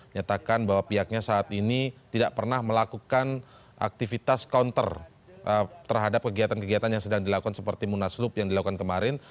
nyatakan bahwa pihaknya saat ini tidak pernah melakukan aktivitas counter terhadap kegiatan kegiatan yang sedang dilakukan seperti munaslup yang dilakukan kemarin